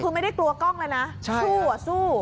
คือไม่ได้กลัวกล้องเลยนะสู้อ่ะสู้สู้